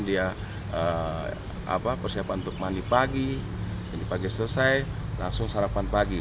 dia persiapan untuk mandi pagi selesai langsung sarapan pagi